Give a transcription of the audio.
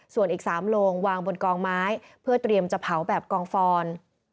ส่วนอีก๓โลงวางบนกองไม้เพื่อเตรียมจะเผาแบบกองฟอน